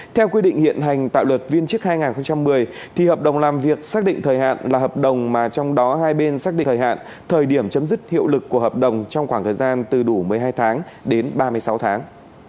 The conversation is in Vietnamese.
theo quy định hiện hành tạo luật viên chức hai nghìn một mươi thì hợp đồng làm việc xác định thời hạn là hợp đồng mà trong đó hai bên xác định thời hạn thời điểm chấm dứt hiệu lực của hợp đồng trong khoảng thời gian từ đủ một mươi hai tháng đến ba mươi sáu tháng